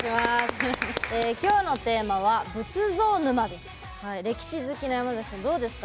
今日のテーマは、仏像沼です。